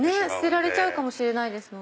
捨てられちゃうかもしれない。